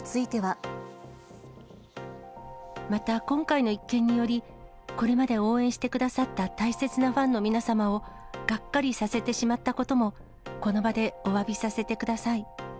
また、今回の一件により、これまで応援してくださった大切なファンの皆様をがっかりさせてしまったことも、この場でおわびさせてください。